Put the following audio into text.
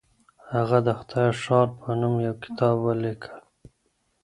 هغه د خدای ښار په نوم يو کتاب وليکه.